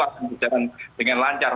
akan berjalan dengan lancar